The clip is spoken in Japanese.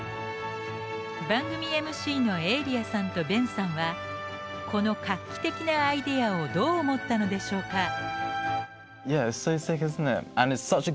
番組ＭＣのエーリャさんとベンさんはこの画期的なアイデアをどう思ったのでしょうか。